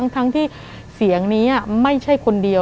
ทั้งที่เสียงนี้ไม่ใช่คนเดียว